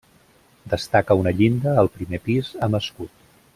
Destaca una llinda al primer pis amb escut.